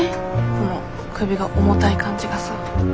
この首が重たい感じがさ。